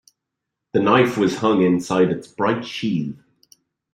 The knife was hung inside its bright sheath.